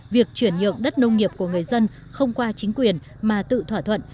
việc chuyển nhượng đất nông nghiệp của người dân không qua chính quyền mà tự thỏa thuận